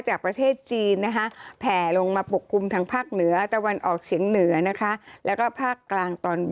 จะหมดลมหายใจไหมที่อ่าน